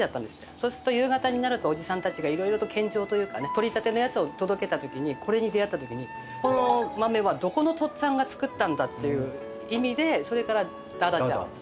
そうすると夕方になるとおじさんたちが色々と献上というかね取りたてのやつを届けたときにこれに出合ったときに「この豆はどこのとっつぁんが作ったんだ」という意味でそれからだだちゃ豆。